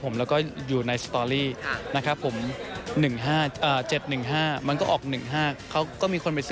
ไม่ค่อยถูกเท่าไร